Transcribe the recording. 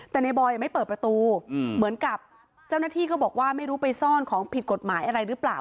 แต่ในบอยไม่เปิดประตูเหมือนกับเจ้าหน้าที่ก็บอกว่าไม่รู้ไปซ่อนของผิดกฎหมายอะไรหรือเปล่า